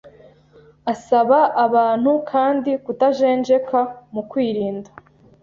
Asaba abantu kandi kutajenjeka mu kwirinda